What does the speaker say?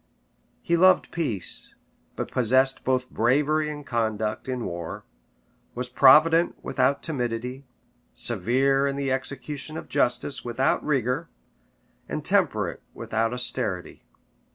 He loved peace, but possessed both bravery and conduct in war; was provident without timidity; severe in the execution of justice without rigor; and temperate without austerity.